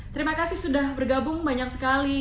terima kasih sudah bergabung banyak sekali